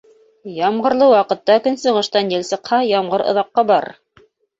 Ямғырлы ваҡытта көнсығыштан ел сыҡһа, ямғыр оҙаҡҡа барыр.